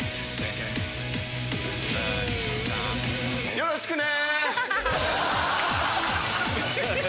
よろしくね。